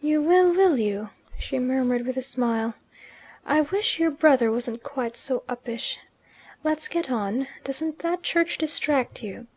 "You will, will you?" she murmured with a smile. "I wish your brother wasn't quite so uppish. Let's get on. Doesn't that church distract you?"